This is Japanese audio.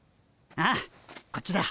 ああこっちだ。